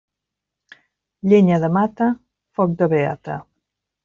Llenya de mata, foc de beata.